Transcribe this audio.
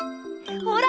ほら！